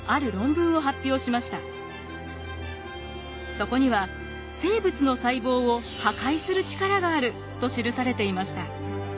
そこには「生物の細胞を破壊する力がある」と記されていました。